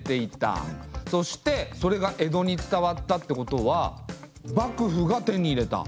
そしてそれが江戸に伝わったってことは幕府が手に入れた。